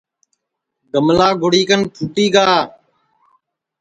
گملا گُڑی کن پھُوٹی گا